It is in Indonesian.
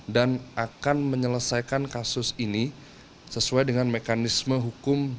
dan akan menyelesaikan kasus ini sesuai dengan mekanisme hukum